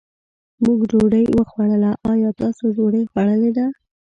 مونږ ډوډۍ وخوړله، ايا تاسو ډوډۍ خوړلې ده؟